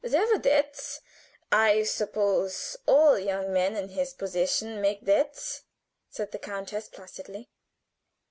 There were debts I suppose all young men in his position make debts," said the countess, placidly.